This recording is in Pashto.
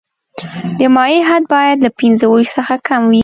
د مایع حد باید له پنځه ویشت څخه کم وي